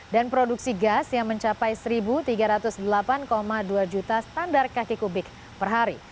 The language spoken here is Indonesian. dan produksi gas yang mencapai satu tiga ratus delapan dua juta standar kaki kubik per hari